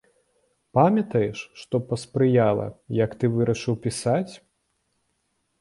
Памятаеш, што паспрыяла, як ты вырашыў пісаць?